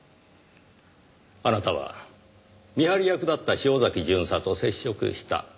あなたは見張り役だった潮崎巡査と接触した。